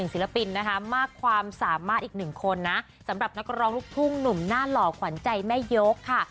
ศิลปินนะคะมากความสามารถอีกหนึ่งคนนะสำหรับนักร้องลูกทุ่งหนุ่มหน้าหล่อขวัญใจแม่ยกค่ะ